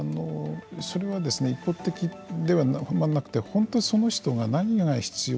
それは一方的ではなくて本当にその人が何が必要か。